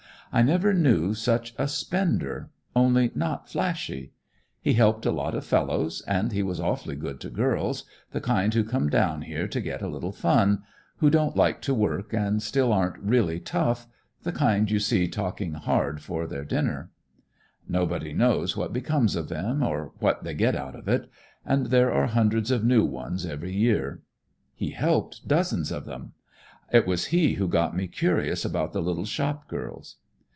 I never knew such a spender only not flashy. He helped a lot of fellows and he was awfully good to girls, the kind who come down here to get a little fun, who don't like to work and still aren't really tough, the kind you see talking hard for their dinner. Nobody knows what becomes of them, or what they get out of it, and there are hundreds of new ones every year. He helped dozens of 'em; it was he who got me curious about the little shop girls.